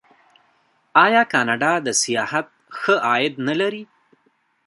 آیا کاناډا د سیاحت ښه عاید نلري؟